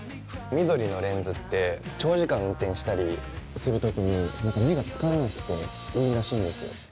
緑のレンズって長時間運転したりする時に何か目が疲れなくていいらしいんですよ。